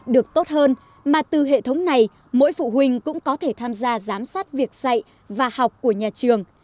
được tốt hơn mà từ hệ thống này mỗi phụ huynh cũng có thể tham gia giám sát việc dạy và học của nhà trường